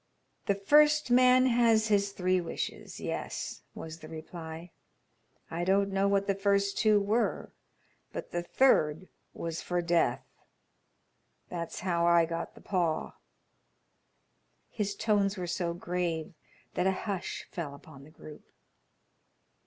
"The first man had his three wishes. Yes," was the reply; "I don't know what the first two were, but the third was for death. That's how I got the paw." His tones were so grave that a hush fell upon the group.